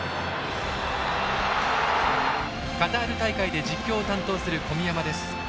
カタール大会で実況を担当する小宮山です。